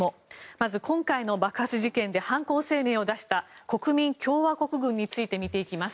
まず今回の爆発事件で犯行声明を出した国民共和国軍について見ていきます。